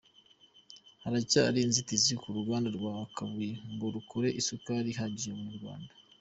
Haracyari inzitizi ku ruganda rwa Kabuye ngo rukore isukari ihagije Abanyarwanda